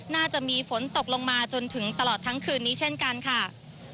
น่าจะมีฝนตกลงมาจนถึงตลอดทั้งคืนนี้เช่นกันค่ะ